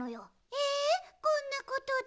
えこんなことで？